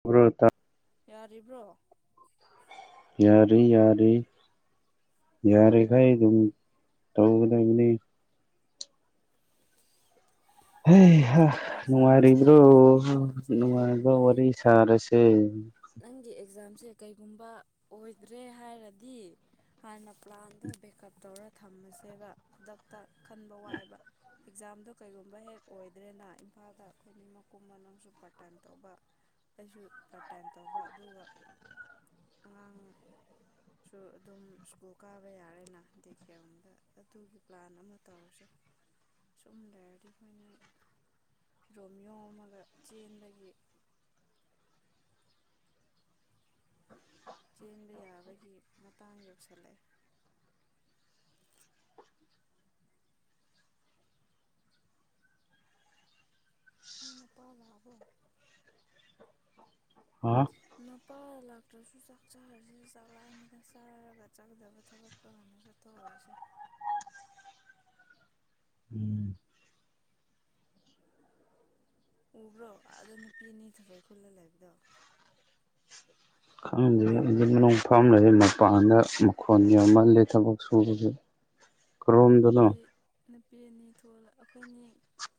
ꯈꯕ꯭ꯔꯠꯇ ꯌꯥꯔꯤꯕ꯭ꯔꯣ ꯌꯥꯔꯦ ꯌꯥꯔ ꯌꯥꯔꯤꯈꯩ ꯑꯗꯨꯝ ꯇꯧꯒꯗꯕꯅꯤ ꯍꯝ ꯑꯦꯛꯖꯥꯝꯁꯦ ꯅꯨꯡꯉꯥꯏꯔꯤꯕꯗ꯭ꯔꯣ ꯅꯪꯒꯤ ꯑꯦꯛꯖꯥꯝꯁꯦ ꯅꯉꯥꯏꯗ ꯀꯩꯒꯨꯝꯕ ꯋꯥꯔꯤ ꯁꯔꯦꯁꯦ ꯁꯦ ꯀꯩꯒꯨꯝꯕ ꯑꯣꯏꯗ꯭ꯔꯦ ꯍꯥꯏꯔꯗꯤ ꯍꯥꯟꯅ ꯄ꯭ꯂꯥꯟꯗꯣ ꯕꯦꯛꯀꯞ ꯇꯧꯔ ꯊꯝꯃꯁꯦꯕ ꯈꯨꯗꯛꯇ ꯈꯟꯕ ꯋꯥꯏꯕ ꯑꯦꯛꯖꯥꯝꯗꯣ ꯀꯩꯒꯨꯝꯕ ꯍꯦꯛ ꯑꯣꯏꯗ꯭ꯔꯦꯅ ꯏꯝꯐꯥꯜꯗ ꯑꯩꯈꯣꯏꯅꯤ ꯃꯀꯨꯝ ꯃꯅꯨꯡꯁꯨ ꯄꯥꯔꯠ ꯇꯥꯏꯝ ꯇꯧꯕ ꯑꯩꯁꯨ ꯄꯥꯔꯠ ꯇꯥꯏꯝ ꯇꯧꯕ ꯑꯗꯨꯒ ꯑꯉꯥꯡꯁꯨ ꯑꯗꯨꯝ ꯁ꯭ꯀꯨꯜ ꯀꯥꯕ ꯌꯥꯔꯦꯅꯗꯤ ꯀꯔꯣꯗ ꯑꯗꯨꯒꯤ ꯄ꯭ꯂꯥꯟ ꯑꯃ ꯇꯧꯔꯁꯦ ꯁꯨꯝ ꯂꯩꯔꯗꯤ ꯑꯩꯈꯣꯏꯅꯤ ꯐꯤꯔꯣꯝ ꯌꯌꯣꯝ ꯑꯃꯒ ꯆꯦꯟꯕꯒꯤ ꯆꯦꯟꯕ ꯌꯥꯕꯒꯤ ꯃꯇꯥꯡ ꯌꯧꯁꯤꯜꯂꯛꯑꯦ ꯅꯅ ꯄꯥꯂꯥꯛꯑꯕꯣ ꯑ ꯅꯄꯥ ꯂꯥꯛꯇ꯭ꯔꯁꯨ ꯆꯥꯛ ꯆꯥꯔꯁꯦ ꯆꯥꯛꯂꯥꯛꯑꯃꯤꯗ ꯆꯥꯔꯒ ꯆꯥꯗꯕ ꯊꯕꯛꯛꯇꯧ ꯍꯥꯟꯅ ꯆꯠꯊꯣꯛꯍꯔꯁꯦ ꯎꯝ ꯎꯕ꯭ꯔꯣ ꯑꯗ ꯅꯨꯄꯤ ꯑꯅꯤ ꯊꯔꯣꯏ ꯈꯨꯜꯂ ꯂꯩꯕꯗꯣ ꯈꯪꯁꯦ ꯎꯕ꯭ꯔꯣ ꯑꯗꯨ ꯃꯅꯨꯡꯣꯡ ꯐꯥꯝꯅꯃ ꯃꯄꯥꯟꯗ ꯃꯈꯣꯟ ꯌꯥꯝꯃꯜꯜꯂꯤ ꯊꯕꯛ ꯁꯨꯕꯁꯦ ꯅꯄꯤ ꯅꯨꯄꯤ ꯑꯅꯤ ꯊꯣꯛ ꯑꯩꯈꯣꯏ ꯑꯅꯤ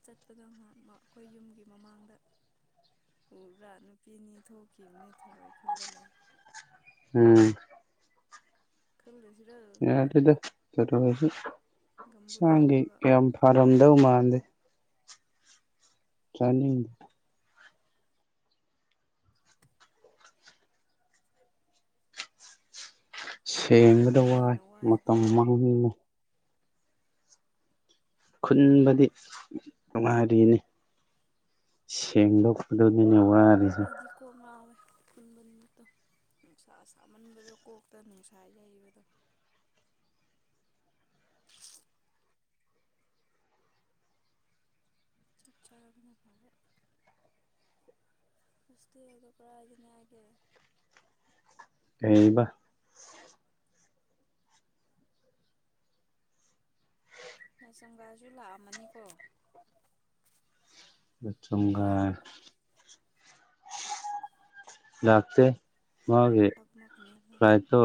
ꯆꯠꯄꯗꯣ ꯉꯍꯥꯛ ꯑꯩꯈꯣꯏ ꯌꯨꯝꯒꯤ ꯃꯃꯥꯡꯗ ꯎꯕ꯭ꯔꯥ ꯅꯨꯄꯤ ꯑꯅꯤ ꯊꯣꯛꯈꯤꯕꯅꯦ ꯊꯔꯣꯏ ꯈꯨꯜꯂ ꯂꯩ ꯎꯝ ꯀꯦ ꯌꯥ ꯑꯗꯨꯗ ꯆꯨ ꯍꯧꯖꯤꯛ ꯒꯝꯕꯨꯠ ꯍꯛꯆꯥꯡꯒꯤ ꯍꯥꯞꯄꯒ ꯀꯌꯥꯝ ꯐꯔꯝꯗꯧ ꯃꯥꯟꯗꯦ ꯆꯅꯤꯡ ꯁꯦꯡꯕꯗ ꯈꯨꯟꯕꯅ ꯋꯥꯏ ꯍꯦꯟꯅ ꯋꯥꯏꯗ ꯃꯇꯝ ꯃꯥꯡꯍꯟꯉ ꯈꯨꯟꯕꯗꯤ ꯅꯨꯡꯉꯥꯏꯔꯤꯅꯤ ꯁꯦꯡꯗꯣꯛ ꯈꯗꯣꯏꯅꯤꯅꯦ ꯑꯩꯗꯤ ꯀꯣ ꯉꯋꯦ ꯟꯃꯟꯕꯗꯣ ꯅꯨꯡꯁꯥ ꯁꯥꯃꯟꯕꯗꯣ ꯀꯣꯛꯇ ꯅꯨꯡꯁꯥ ꯌꯩꯕꯗꯣ ꯆꯠ ꯆꯅꯦ ꯐꯔꯦ ꯁ ꯌꯒ ꯄꯨꯔ ꯏꯅ ꯍꯥꯏꯦ ꯀꯕ ꯁꯝꯒꯁꯨ ꯂꯥꯛꯑꯝꯃꯅꯤꯀꯣ ꯉꯔꯥꯡ ꯆꯨꯡꯒꯥꯔ ꯌꯥꯥꯛꯇꯦ ꯇꯛꯃꯛꯅꯦ ꯐ꯭ꯂꯥꯏꯠꯇꯣ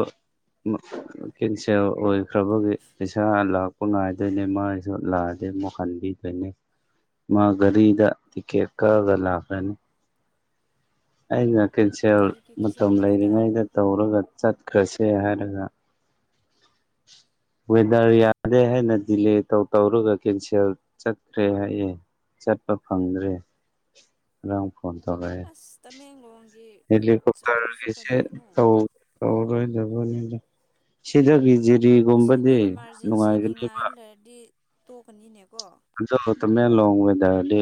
ꯀꯦꯟꯁꯦꯜ ꯑꯣꯏꯈ꯭ꯔꯕꯒꯤ ꯄꯩꯁꯥ ꯂꯥꯛꯄ ꯉꯥꯏꯗꯣꯏꯅꯦ ꯃꯥꯁꯨ ꯂꯥꯛꯑꯗꯤ ꯑꯃꯨꯛ ꯍꯟꯕꯤꯗꯣꯏꯅꯦ ꯃꯥ ꯒꯥꯔꯤꯗ ꯇꯤꯛꯀꯦꯠ ꯀꯛꯑꯒ ꯂꯥꯛꯀꯅꯤ ꯑꯩꯅ ꯀꯦꯟꯁꯦꯜ ꯀꯔꯤ ꯀꯩꯀꯩꯁꯦ ꯃꯇꯝ ꯃꯊꯟꯇ ꯂꯩꯔꯤꯉꯩꯗ ꯇꯧꯔꯒ ꯆꯠꯈ꯭ꯔꯁꯤ ꯁꯦ ꯍꯥꯏꯔꯉ ꯋꯦꯗꯔ ꯌꯥꯗꯦ ꯍꯥꯏꯅ ꯗꯤꯂꯦ ꯇꯧꯔꯒ ꯀꯦꯟꯁꯦꯜ ꯆꯠꯈ꯭ꯔꯦ ꯍꯥꯏꯑꯦ ꯆꯠꯄ ꯐꯪꯗ꯭ꯔꯦ [unintelligible] ꯐꯣꯟ ꯇꯔꯦ ꯑꯁ ꯇꯃꯦꯡꯂꯣꯡꯒꯤ ꯁꯥꯔꯚꯤꯁꯁꯨ ꯍꯦꯂꯤꯀꯣꯞꯇꯔꯁꯦ ꯀꯔꯤꯅꯣ ꯇꯧ ꯇꯧꯔꯔꯣꯏ ꯁꯤꯗ ꯚꯤꯔꯖꯤꯠ ꯑꯁꯤꯗꯤ ꯏꯃꯥꯔꯖꯦꯟꯁꯤꯒꯤ ꯉꯥꯏꯔꯥ ꯂꯩꯔꯗꯤ ꯇꯣ ꯀꯅꯤꯅꯦ ꯖꯗꯣ ꯇꯃꯦ ꯂꯣꯡ ꯋꯦꯗꯔꯗꯤ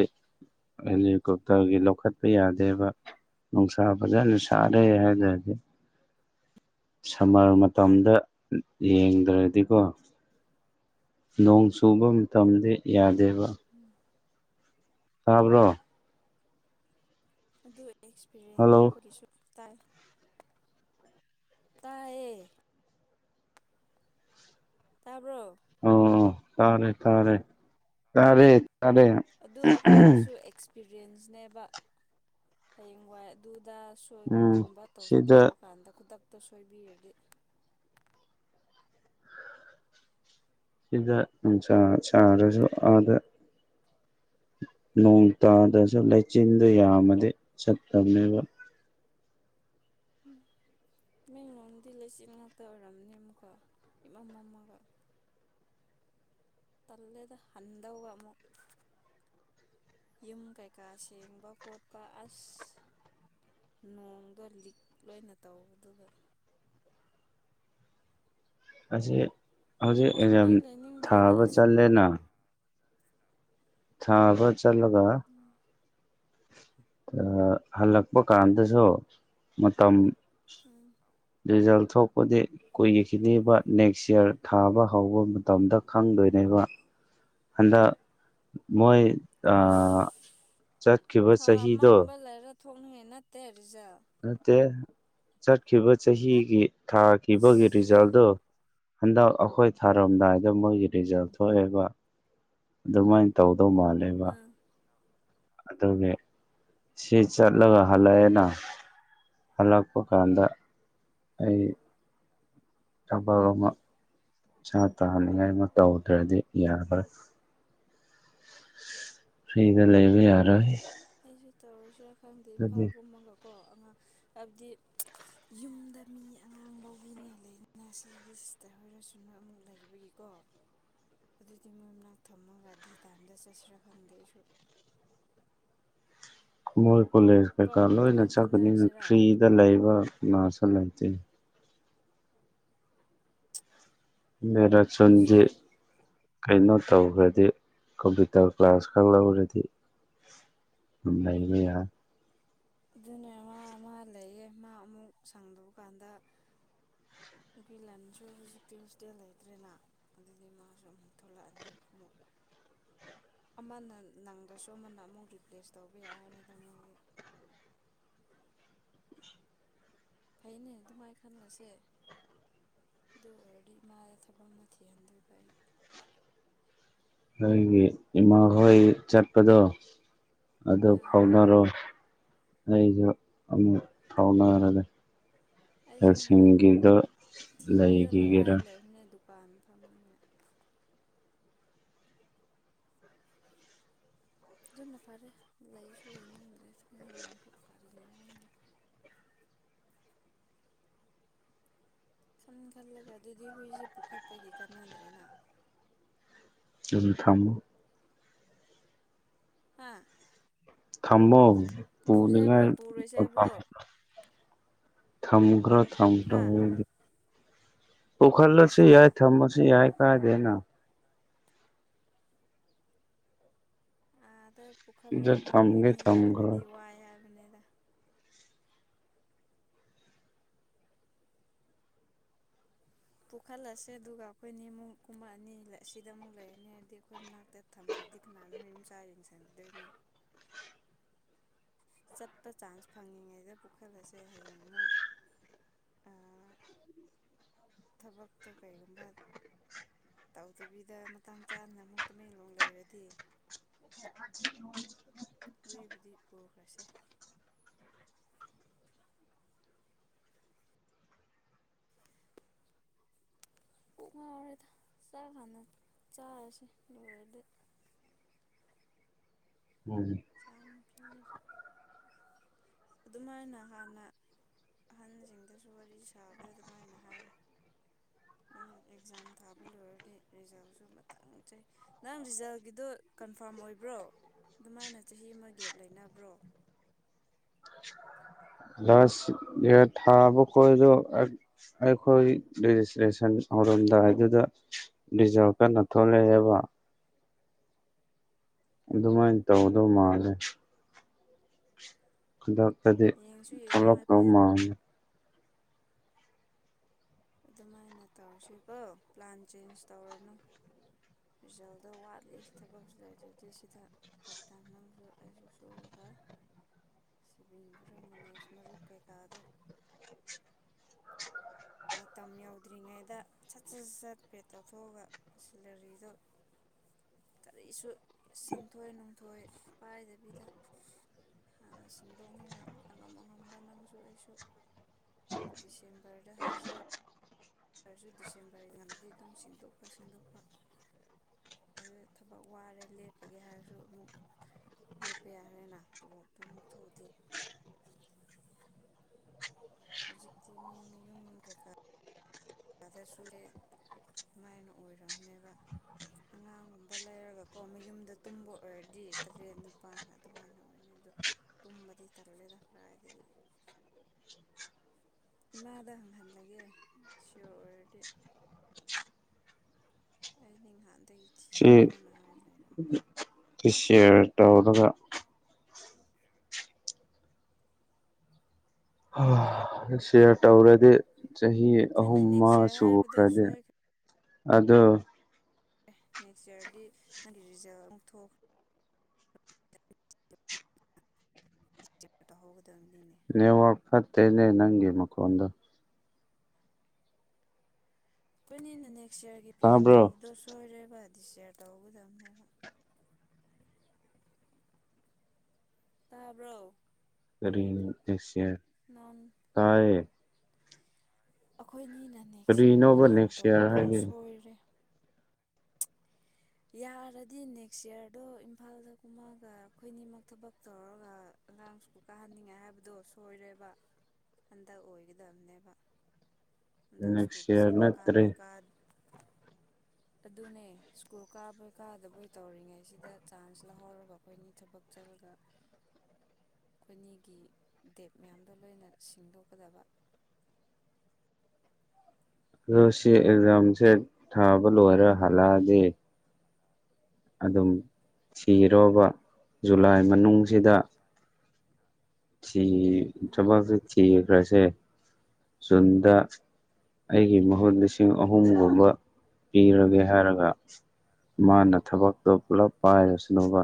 ꯍꯦꯂꯤꯀꯣꯞꯇꯔꯒꯤ ꯂꯧꯈꯠꯄ ꯌꯥꯗꯦꯕ ꯅꯨꯡꯁꯥ ꯐꯖꯅ ꯁꯥꯔꯦ ꯍꯥꯏꯗꯔꯗꯤ ꯁꯝꯃꯔ ꯃꯇꯝꯗ ꯌꯦꯡꯗ꯭ꯔꯗꯤꯀꯣ ꯅꯣꯡ ꯆꯨꯕ ꯃꯇꯝꯗ ꯌꯥ ꯗꯦꯕ ꯇꯥꯕ꯭ꯔꯣ ꯑꯗꯨ ꯑꯦꯛꯁꯄꯤꯔꯤꯌꯦꯟꯁꯅꯤ ꯍꯜꯂꯣ ꯑꯩꯈꯣꯏꯒꯤꯁꯨ ꯇꯥꯏ ꯇꯥꯏꯌꯦ ꯇꯑꯥꯕ꯭ꯔꯣ ꯑꯣ ꯇꯔꯦ ꯇꯥꯔꯦ ꯇꯥꯔꯦ ꯑꯗꯦ ꯔꯦꯟꯁꯅꯦꯕ ꯍꯌꯦꯡ ꯋꯥꯏ ꯑꯗꯨ ꯗꯥ ꯁꯣꯠ ꯎꯝ ꯀꯨꯝꯕ ꯁꯤꯗ ꯇꯧꯔꯀꯥꯟꯗ ꯈꯨꯗꯛ ꯇꯁꯣꯏꯕꯤꯔꯗꯤ ꯁꯤꯗ ꯅꯨꯡꯁꯥ ꯁꯥꯔꯁꯨ ꯑꯥꯗ ꯅꯣꯡ ꯇꯥꯗ꯭ꯔꯁꯨ ꯂꯩꯆꯤꯟꯗ ꯌꯥꯝꯃꯗꯤ ꯆꯠꯇꯕꯅꯦꯕ ꯃꯤ ꯂꯣꯟꯗꯤ ꯂꯩꯆꯤꯟ ꯉꯥꯛꯇ ꯑꯣꯏꯔꯝꯅꯦ ꯑꯃꯨꯛꯀ ꯏꯃꯝ ꯃꯥꯝꯒ ꯇꯂꯦꯗ ꯍꯟꯗꯗꯧꯕ ꯑꯃꯨꯛ ꯌꯨꯝ ꯀꯩꯀꯥ ꯁꯦꯡꯕ ꯈꯣꯠꯄ ꯑꯁ ꯅꯣꯡꯗꯣ ꯂꯤꯛ ꯂꯣꯏꯅ ꯇꯧꯕꯗꯨ ꯑꯁꯦ ꯍꯧꯖꯤꯛ ꯑꯦꯖꯝ ꯁꯨꯡꯂꯩ ꯂꯩꯅꯤꯡꯗ꯭ꯔꯦꯗ ꯊꯥꯕ ꯑꯁ ꯆꯠꯂꯦꯅ ꯊꯥꯕ ꯆꯂꯒ ꯍꯜꯂꯛꯄ ꯀꯥꯟꯗꯁꯨ ꯃꯇꯝ ꯎꯝ ꯔꯦꯁꯨꯜꯠ ꯊꯣꯛꯄꯗꯤ ꯀꯨꯏꯈꯤꯅꯤꯕꯥ ꯅꯦꯛꯁ ꯏꯌꯥꯔ ꯊꯥꯕ ꯍꯧꯕ ꯃꯇꯝꯗ ꯈꯪꯗꯣꯏꯅꯦꯕ ꯍꯟꯗꯛ ꯃꯣꯏ ꯑ ꯑꯩꯁ ꯆꯠꯈꯤꯕ ꯆꯍꯤꯗꯣ ꯊꯣꯛꯅꯤꯡꯉꯦ ꯅꯠꯇꯦ ꯔꯤꯖꯜ ꯅꯠꯇꯦ ꯆꯠꯈꯤꯕ ꯆꯍꯤꯒꯤ ꯑꯁ ꯊꯥꯈꯤꯕꯒ ꯔꯤꯖꯜꯗꯣ ꯍꯟꯗꯛ ꯑꯩꯈꯣꯏ ꯊꯥꯔꯝꯗꯥꯏꯗ ꯃꯣꯏꯒꯤ ꯔꯤꯖꯜ ꯊꯣꯛꯑꯦꯕ ꯑꯗꯨꯃꯥꯏꯅ ꯇꯧꯕ ꯗꯧ ꯃꯥꯂꯦꯕ ꯑꯥ ꯑꯗꯨꯒꯤ ꯁꯤ ꯆꯠꯂꯒ ꯍꯜꯂꯛꯑꯦꯅ ꯍꯜꯂꯛꯄ ꯀꯥꯟꯗ ꯑꯩ ꯎꯝ ꯊꯕꯛ ꯑꯃ ꯆ ꯇꯥꯅꯤꯡꯉꯥꯏ ꯑꯃ ꯇꯧꯗ꯭ꯔꯗꯤ ꯌꯥꯔꯔꯣꯏ ꯐ꯭ꯔꯤꯗ ꯂꯩꯕ ꯌꯥꯔꯣꯏ ꯗꯤ ꯇꯧꯔꯁꯦ ꯈꯪꯗꯦ ꯑꯗꯨꯗꯤ ꯏꯝꯐꯥꯒꯨꯝꯃꯒ ꯀꯣ ꯑꯉꯥꯡ ꯍꯥꯏꯕꯗꯤ ꯌꯨꯝꯗ ꯃꯤ ꯑꯉꯥꯡ ꯂꯧꯕꯤꯅꯤꯉꯥꯏ ꯂꯩꯅꯤꯅ ꯁꯤꯁꯤꯗꯤ ꯁꯤꯇꯔ ꯑꯣꯏꯔꯁꯨ ꯅꯣꯏ ꯑꯃꯨꯛ ꯂꯩꯕꯒꯤꯀꯣ ꯑꯗꯨꯗꯤ ꯃꯣꯏ ꯃꯅꯥꯛ ꯊꯝꯃꯒ ꯗꯤꯇꯥꯝꯗ ꯆꯠꯁꯤꯔꯥ ꯈꯪꯗꯦ ꯑꯩꯁꯨ ꯃꯣꯏ ꯀꯣꯂꯦꯖ ꯀꯣ ꯀꯩꯀꯥ ꯂꯣꯏꯅ ꯑꯗꯨꯃꯥꯏꯅ ꯆꯠꯄꯅꯤꯅ ꯈꯟꯅꯔꯁꯤꯔꯥ ꯐ꯭ꯔꯤꯗ ꯂꯩꯕ ꯃꯥꯁꯂꯥꯏꯇꯦ ꯃꯦꯔꯆꯟꯖꯦ ꯍꯧꯖꯤꯛ ꯀꯩꯅꯣ ꯇꯧꯈ꯭ꯔꯗꯤ ꯀꯝꯄ꯭ꯌꯨꯇꯔ ꯀ꯭ꯂꯥꯁ ꯈꯛ ꯂꯧꯔꯗꯤ ꯑꯗꯨꯝ ꯂꯩꯕ ꯌꯥꯅꯤ ꯑꯗꯨꯅꯦ ꯃꯥ ꯑꯃ ꯂꯩꯌꯦ ꯃꯥ ꯑꯃꯨꯛ ꯁꯪꯗꯕ ꯀꯥꯟꯗ ꯒꯤꯒꯤ ꯂꯟꯁꯨ ꯍꯧꯖꯤꯛꯇꯤ ꯍꯣꯁꯇꯦꯜ ꯂꯩꯇ꯭ꯔꯦꯅ ꯑꯗꯨꯗꯤ ꯃꯥꯁꯨ ꯑꯃꯨꯛ ꯊꯣꯛꯂꯛꯑꯅꯤ ꯑꯃꯨꯛ ꯑꯃꯅ ꯅꯪꯗꯁꯨ ꯑꯃꯅ ꯑꯃꯨꯛ ꯔꯤꯄ꯭ꯂꯦꯁ ꯇꯧꯕ ꯌꯥꯏꯔꯅꯤꯗ ꯃꯣꯏꯗꯤ ꯐꯩꯅꯦ ꯑꯗꯨꯃꯥꯏꯅ ꯈꯜꯂꯁꯦ ꯑꯗꯨ ꯑꯣꯏꯔꯗꯤ ꯏꯃꯥꯗ ꯊꯕꯛ ꯑꯃ ꯊꯤꯍꯟꯗꯣꯏꯕ ꯑꯩ ꯑꯩꯣꯏꯒꯤ ꯏꯃꯥꯍꯣꯏ ꯆꯠꯄꯗꯣ ꯑꯗꯨ ꯑꯥ ꯐꯥꯎꯅꯔꯣꯏ ꯇꯥꯎꯔꯗꯦ ꯑꯩꯁꯨ ꯉꯍꯥꯟ ꯀꯦꯜꯁꯤꯡꯒꯤꯒꯤꯗ ꯂꯩꯈꯤꯒꯦꯔ ꯄꯝ ꯐꯝꯅꯤꯡꯉ ꯅ ꯐꯔꯦ ꯂꯁꯨꯅꯤꯗ꯭ꯔꯦ ꯆꯀꯅ ꯈꯟ ꯈꯜꯂꯒ ꯑꯗꯨꯗꯤ ꯍꯨꯏꯁꯦ ꯄꯨꯈꯠꯄꯒꯤ ꯀꯥꯟꯅꯗ꯭ꯔꯦꯅ ꯑꯗꯨꯝ ꯊꯝꯃꯣ ꯍꯥꯥ ꯊꯝꯝꯕꯝ ꯄꯨꯖꯕ꯭ꯔꯣ ꯄꯨꯔꯣꯏꯁꯕ꯭ꯔꯣ ꯊꯝꯒ꯭ꯔ ꯊꯝ ꯇ ꯍꯒ ꯄꯈꯜꯂꯁꯨ ꯁꯤꯗ ꯌꯥꯏ ꯊꯝꯃꯁꯨ ꯌꯥꯏ ꯀꯥꯏꯖꯅ ꯑ ꯑꯗꯨ ꯁꯤꯗ ꯄꯨꯈꯜꯂꯒ ꯑꯃꯨꯛ ꯊꯝꯒꯦ ꯀꯣꯏꯅꯤ ꯊꯝꯈ꯭ꯔꯣ ꯂꯩꯇ꯭ꯔꯗꯤ ꯋꯥꯏ ꯍꯥꯏꯕꯅꯤꯗ ꯄꯨꯣꯛꯈꯠꯂꯁꯦ ꯑꯗꯨꯒ ꯑꯩꯈꯣꯏꯅꯤꯃꯨꯛ ꯀꯨꯝꯕ ꯑꯅꯤ ꯑꯁꯤꯗ ꯑꯃꯨꯛ ꯂꯩꯔꯅꯤ ꯍꯥꯏꯕꯗꯤ ꯑꯩꯈꯣꯏ ꯃꯅꯥꯛꯇ ꯊꯝꯗ꯭ꯔꯗꯤ ꯀꯅꯥꯅ ꯃ ꯌꯨꯝꯆꯥ ꯌꯦꯡꯁꯤꯟꯕꯤꯗꯣꯏꯅꯣ ꯆꯠꯄ ꯆꯥꯟꯁ ꯐꯪꯉꯤꯉꯩꯗ ꯄꯨꯈꯠꯕꯁꯦ ꯍꯌꯦꯡ ꯑꯃꯨꯛ ꯊꯕꯛꯇꯣ ꯀꯔꯤꯒꯨꯝꯕ ꯇꯧꯗꯕꯤꯗ ꯃꯇꯥꯡ ꯆꯥꯅ ꯑꯃꯨꯛ ꯇꯨꯃꯦꯦꯟꯡꯂꯣꯡ ꯂꯩꯔꯗꯤ ꯍꯨꯏꯏꯕꯨꯨꯗꯤ ꯄꯨꯈ꯭ꯔꯁꯦ ꯄꯨꯨꯡ ꯉꯥꯎꯔꯦꯗ ꯆꯥꯛꯀꯥꯟꯗ ꯆꯥꯔꯁꯦ ꯂꯣꯏꯔꯗꯤ ꯎꯝ ꯆꯥꯛ ꯑꯗꯨꯃꯥꯏꯅ ꯍꯥꯟꯅ ꯑꯍꯟꯁꯤꯡꯗꯁꯨ ꯋꯥꯔꯤ ꯁꯥꯕꯗ ꯑꯗꯨꯃꯥꯏꯅ ꯍꯥꯏꯔꯣ ꯎꯝ ꯑꯦꯛꯖꯥꯝ ꯊꯥꯕ ꯂꯣꯏꯔꯗꯤ ꯔꯤꯖꯜꯁꯨ ꯃꯊꯪ ꯆ ꯅꯪ ꯔꯤꯖꯜꯒꯤꯗꯣ ꯀꯟꯐꯥꯔꯝ ꯑꯣꯏꯕ꯭ꯔꯣ ꯑꯗꯨꯃꯥꯏꯅ ꯆꯍꯤ ꯑꯃ ꯒꯦꯞ ꯂꯩꯅꯕ꯭ꯔꯣ ꯂꯥꯁ ꯊꯥꯕ ꯈꯣꯗꯣ ꯑꯩꯈꯣꯏ ꯔꯦꯖꯤꯁꯇ꯭ꯔꯦꯁꯟ ꯍꯧꯔꯝꯗꯥꯏꯗꯨꯗ ꯔꯤꯖꯜ ꯀꯟꯅ ꯊꯣꯛꯂꯛꯑꯦꯕ ꯎꯝ ꯑꯗꯨꯃꯥꯏꯅ ꯇꯧꯗꯧ ꯃꯥꯜꯂꯦ ꯑꯗ ꯍꯥꯏꯗꯤ ꯌꯦꯡꯁꯨ ꯌꯦꯡꯉꯣ ꯊꯣꯛꯂꯞꯄ ꯍꯥꯏꯐꯦꯠ ꯃꯥꯦ ꯑꯗꯨꯃꯥꯏꯅ ꯇꯧꯔꯁꯤꯀꯣ ꯄ꯭ꯂꯥꯟ ꯆꯦꯟꯖ ꯇꯧꯔꯅꯨ ꯔꯤꯖꯜꯗꯣ ꯋꯥꯠꯂꯤ ꯊꯕꯛꯁꯨ ꯂꯩꯇ꯭ꯔꯗꯤ ꯁꯤꯗ ꯄꯇꯥ ꯅꯪꯁꯨ ꯑꯩꯁꯨ ꯁꯨꯔꯒ ꯁꯤꯕꯤꯟꯈ꯭ꯔꯃꯤꯅꯦꯁ ꯃꯔꯨꯞ ꯀꯩꯀꯥꯗꯣ ꯃꯇꯝ ꯌꯧꯗ꯭ꯔꯤꯉꯩꯗ ꯁꯠ ꯁꯠ ꯁꯠ ꯄꯦ ꯇꯧꯊꯣꯛꯑꯒ ꯁꯦꯂꯔꯤꯗꯣ ꯀꯔꯤꯁꯨ ꯁꯦꯟꯊꯣꯏ ꯅꯨꯡꯊꯣꯏ ꯄꯥꯏꯗꯕꯤꯗ ꯍꯥꯟꯅ ꯁꯤꯡꯗꯣꯛꯅꯤꯡꯉꯥꯏ ꯑꯉꯝ ꯑꯉꯝꯕ ꯅꯪꯁꯨ ꯑꯩꯁꯨ ꯗꯤꯁꯦꯝꯕꯔ ꯗ ꯍꯥꯏꯖꯔ ꯔꯁꯨ ꯗꯤꯁꯦꯝꯕꯔ ꯌꯥꯝꯅꯗꯤ ꯑꯗꯨꯝ ꯦꯡꯗꯣꯛꯄ ꯦꯡꯗꯣꯛꯄ ꯑꯗꯨ ꯊꯕꯛ ꯋꯥꯔꯦ ꯂꯦꯞꯄꯒꯦ ꯍꯥꯏꯔꯁꯨ ꯑꯃꯨꯛ ꯂꯦꯞꯄ ꯌꯥꯔꯦꯅ ꯇꯣꯂꯣꯞꯇꯣ ꯑꯃꯨꯛ ꯊꯣꯛꯨꯗꯤ ꯍꯧꯖꯤꯛꯇꯤ ꯃꯤ ꯃꯌꯨꯝ ꯀꯩꯀꯥꯗꯁꯨ ꯑꯗꯨꯃꯥꯏꯅ ꯑꯣꯏꯔꯝꯅꯦꯕ ꯑꯉꯥꯡꯒꯨꯝꯕ ꯂꯩꯔꯒꯀꯣ ꯃꯌꯨꯝꯗ ꯇꯨꯝꯕ ꯑꯣꯏꯔꯗꯤ ꯇꯔꯦꯠ ꯅꯤꯄꯥꯥꯟ ꯑꯗꯨꯃꯥꯏꯅ ꯑꯣꯏꯅꯤ ꯑꯗꯨꯗꯣ ꯇꯨꯝꯕꯗꯤ ꯇꯥꯔꯂꯦꯗ ꯀꯗꯥꯏꯗꯒꯤ ꯏꯃꯥꯗ ꯍꯪꯍꯜꯂꯒꯦ ꯁꯤꯌꯣꯔ ꯑꯣꯏꯔꯗꯤ ꯑꯩ ꯅꯤꯡꯍꯥꯟꯗꯒꯤꯩ ꯎꯆ ꯇꯤ ꯍꯥꯏ ꯇꯥꯎꯗꯒ ꯁꯤꯦꯌꯥꯔ ꯇꯧꯔꯗꯤ ꯆꯍꯤ ꯑꯩꯈꯣꯏꯅꯤ ꯑꯍꯨꯝ ꯑꯃ ꯅꯦꯛꯁ ꯌꯔ ꯍꯥꯏꯕꯗꯣ ꯁꯨꯈ꯭ꯔꯗꯤꯦ ꯁꯣꯏꯈ꯭ꯔꯦ ꯑꯗꯣ ꯅꯦꯛꯁ ꯏꯌꯥꯔꯗꯤ ꯅꯪꯒꯤ ꯔꯤꯖꯜ ꯑꯃꯨꯛ ꯊꯣꯛꯈ꯭ꯔꯦ ꯇꯧꯍꯧꯒꯗꯕꯅꯤ ꯅꯎ ꯑꯄꯠꯇꯦꯅꯦ ꯅꯪꯒꯤ ꯃꯀꯣꯟꯗ ꯑꯩꯈꯣꯏꯅꯤ ꯅꯅꯦ ꯅꯦꯛꯁ ꯏꯔꯒꯤ ꯄ꯭ꯂꯥꯟ ꯇꯥꯕ꯭ꯔꯣ ꯇꯧꯕꯗꯣ ꯁꯣꯏꯔꯦ ꯕ ꯗꯤꯌꯥꯔ ꯇꯧꯒꯗꯕꯅꯦꯕ ꯇꯥꯕ꯭ꯔꯣ ꯀꯔꯤꯅꯤ ꯇꯌꯦꯦ ꯅꯣꯟ ꯑꯩꯈꯣꯏꯅꯤ ꯑꯩꯅ ꯅꯦꯛꯁ ꯏꯔ ꯀꯔꯤꯅꯣꯕ ꯄ꯭ꯂꯥꯟ ꯅꯦꯛꯁ ꯏꯌꯥꯔ ꯇꯧꯕꯗꯣ ꯍꯥꯏꯗꯤ ꯁꯣꯏꯔꯦ ꯌꯥꯔꯗꯤ ꯅꯦꯛꯁ ꯌꯌꯥꯔꯗꯣ ꯏꯝꯐꯥꯜꯗ ꯀꯨꯝꯃꯛꯒ ꯑꯩꯈꯣꯏꯅꯤꯃꯛ ꯊꯕꯛ ꯇꯧꯔꯒ ꯑꯉꯥꯡꯨ ꯀꯥꯍꯟꯅꯤꯡꯉꯥꯏ ꯍꯥꯏꯕꯗꯣ ꯁꯣꯏꯔꯦꯕ ꯍꯟꯗꯛ ꯑꯣꯏꯒꯗꯕꯅꯦꯕ ꯍꯟꯗꯛ ꯁꯀꯨ ꯅꯦꯛꯁ ꯏꯌꯥꯔ ꯐꯖꯅ ꯅꯠꯇ꯭ꯔꯦ ꯀꯥꯕꯩ ꯀꯥ ꯑꯗꯨꯅꯦ ꯁ꯭ꯀꯨꯜ ꯀꯥꯕꯣꯏ ꯀꯥꯗꯕꯣꯏ ꯇꯧꯔꯤꯉꯩꯁꯤꯗ ꯆꯥꯟꯁ ꯂꯧꯍꯧꯔꯒ ꯑꯩꯈꯣꯏꯅꯤ ꯊꯕꯛ ꯆꯠꯂꯒ ꯑꯩꯈꯣꯏꯅꯤꯒꯤ ꯗꯦꯞ ꯃꯌꯥꯝꯗꯣ ꯂꯣꯏꯅ ꯁꯤꯡꯗꯣꯛꯀꯗꯕ ꯑꯗꯣ ꯁꯤ ꯑꯦꯛꯖꯥꯝꯁꯦ ꯊꯥꯕ ꯂꯣꯏꯔꯦ ꯍꯜꯂꯛꯑꯒꯗꯤ ꯑꯗꯨꯝ ꯎꯝ ꯁꯤꯔꯕ ꯖꯨꯂꯥꯏ ꯎꯝ ꯃꯅꯨꯡꯅꯨꯡꯁꯤꯗ ꯊ ꯎꯝ ꯆ ꯐ ꯊ ꯔ ꯁꯦ ꯨꯟꯗ ꯑꯩꯒꯤ ꯃꯍꯨꯠ ꯂꯤꯁꯤꯡ ꯑꯍꯨꯝꯒꯨꯝꯕ ꯄꯤꯔꯒꯦ ꯍꯥꯏꯔꯒ ꯃꯥꯅ ꯊꯕꯛꯇꯣ ꯄꯨꯂꯞ ꯄꯥꯏꯔꯁꯅꯨꯕ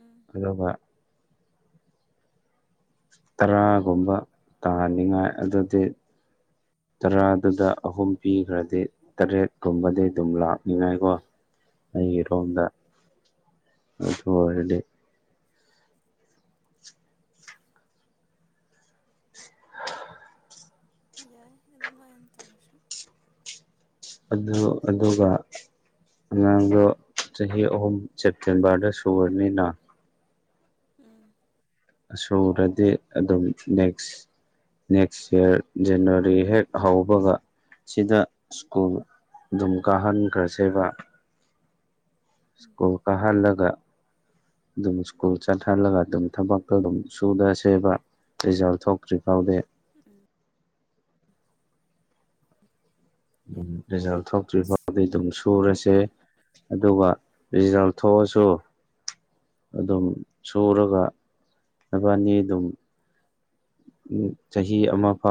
ꯎꯝ ꯑꯗꯨꯒ ꯇꯔꯥꯒꯨꯝꯕ ꯇꯥꯅꯤꯡꯉꯥꯏ ꯑꯗꯨꯗꯤ ꯇꯔꯥꯗꯨꯗ ꯑꯍꯨꯝ ꯄꯤꯈ꯭ꯔꯗꯤ ꯇꯔꯦꯠꯀꯨꯝꯕꯗꯤ ꯑꯗꯨꯝ ꯂꯥꯛꯅꯤꯉꯥꯏꯀꯣ ꯎꯝ ꯑꯩꯒꯤꯔꯣꯝꯗ ꯑꯗꯨ ꯑꯣꯏꯔꯗꯤ ꯌꯥꯏ ꯑꯗꯨꯗꯃꯥꯏ ꯍꯟꯇꯧꯕ ꯁ ꯑꯗꯨ ꯑꯗꯨꯒ ꯑꯉꯥꯡꯗꯣ ꯆꯍꯤ ꯑꯍꯨꯝ ꯁꯦꯞꯇꯦꯝꯕꯔꯗ ꯁꯨꯨꯔꯅꯤꯅ ꯎꯝ ꯁꯨꯔꯗꯤ ꯑꯗꯨꯝ ꯅꯦꯛꯁ ꯅꯦꯛꯁ ꯌꯌꯥꯔ ꯖꯅꯋꯥꯔꯤ ꯍꯦꯛ ꯍꯧꯕꯒ ꯁꯤꯗ ꯁ꯭ꯀꯨꯜ ꯑꯗꯨꯝ ꯀꯥꯍꯟꯈ꯭ꯔꯁꯦꯕ ꯎꯝ ꯀꯣ ꯀꯍꯥꯂꯒ ꯑꯗꯨꯃꯨ ꯁꯀꯨꯜ ꯆꯠꯍꯥꯜꯂꯒ ꯑꯗꯨꯝ ꯊꯕꯛꯇꯣ ꯑꯗꯨꯝ ꯁꯨꯗꯁꯦꯕ ꯔꯤꯖꯥꯜ ꯊꯣꯛꯇ꯭ꯔꯤ ꯐꯥꯎꯗꯤ ꯎꯝ ꯎꯝ ꯔꯤꯖꯜ ꯊꯣꯛ ꯇ꯭ꯔꯤ ꯐꯥꯎꯗꯤ ꯑꯗꯨꯝ ꯁꯨꯔꯁꯦ ꯑꯗꯨꯒ ꯔꯤꯖꯜ ꯊꯣꯛꯑꯁꯨ ꯑꯗꯨꯝ ꯁꯨꯔꯒ ꯅꯥꯕꯅꯤ ꯑꯗꯨꯝ ꯆꯍꯤ ꯑꯃ ꯐꯥꯎ